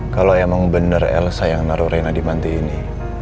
kalau ayah mau bener elsa yang naruh reina di manti ini